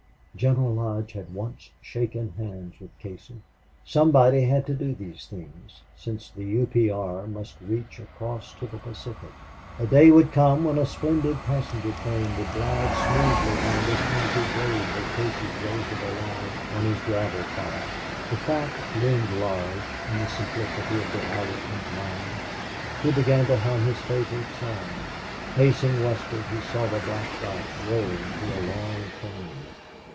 General Lodge had once shaken hands with Casey. Somebody had to do these things, since the U. P. R. must reach across to the Pacific. A day would come when a splendid passenger train would glide smoothly down this easy grade where Casey jolted along on his gravel car. The fact loomed large in the simplicity of the Irishman's mind. He began to hum his favorite song. Facing westward, he saw the black dot grow into a long train.